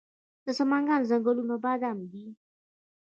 د سمنګان ځنګلونه بادام دي